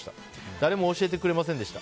誰も教えてくれませんでした。